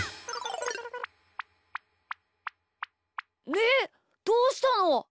みーどうしたの？